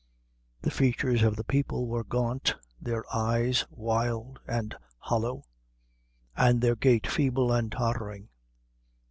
The features of the people were gaunt, their eyes wild and hollow, and their gait feeble and tottering.